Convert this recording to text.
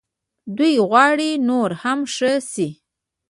دوی غواړي نور هم ښه شي.